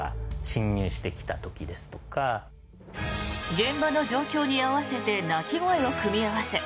現場の状況に合わせて鳴き声を組み合わせ